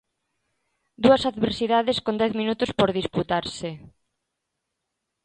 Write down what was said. Dúas adversidades con dez minutos por disputarse.